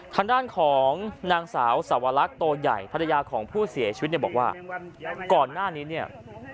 ทางด้านของนางสาวสวรรคโตใหญ่ภรรยาของผู้เสียชีวิตเนี่ยบอกว่าก่อนหน้านี้เนี่ย